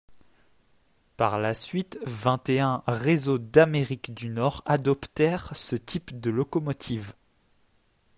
Par la suite, vingt-et-un réseaux d'Amérique du Nord adoptèrent ce type de locomotive.